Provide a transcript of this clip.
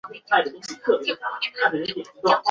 期间哈定号曾在多场靶舰轰炸实验中担任观察舰。